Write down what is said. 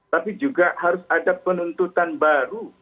tapi juga harus ada penuntutan baru